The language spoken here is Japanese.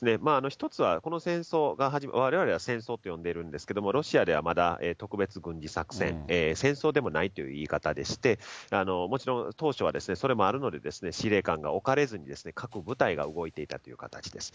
一つはこの戦争が、われわれは戦争って呼んでるんですけれども、ロシアではまだ特別軍事作戦、戦争でもないという言い方でして、もちろん、当初はそれもあるので、司令官が置かれずに各部隊が動いていたという形です。